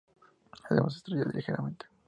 Además se estrechan ligeramente.